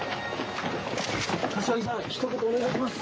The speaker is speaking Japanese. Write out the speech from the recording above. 柏木さん、ひと言お願いします。